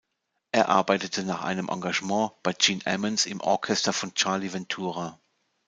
Er arbeitete nach einem Engagement bei Gene Ammons im Orchester von Charlie Ventura.